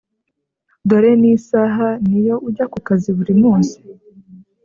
dore nisaha niyo ujya kukazi burimunsi?